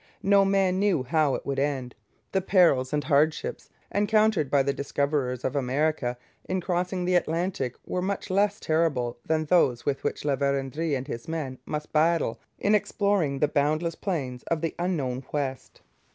No man knew how it would end. The perils and hardships encountered by the discoverers of America in crossing the Atlantic were much less terrible than those with which La Vérendrye and his men must battle in exploring the boundless plains of the unknown West.